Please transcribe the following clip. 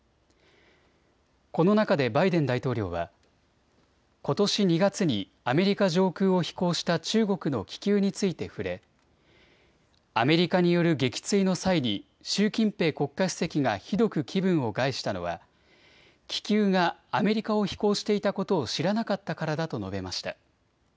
この中でバイデン大統領はことし２月にアメリカ上空を飛行した中国の気球について触れアメリカによる撃墜の際に習近平国家主席がひどく気分を害したのは気球がアメリカを飛行していたことを知らなかったからだと述べました。